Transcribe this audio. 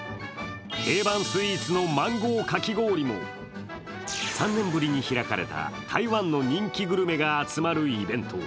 定番スイーツのマンゴーかき氷も３年ぶりに開かれた台湾の人気グルメが集まるイベント。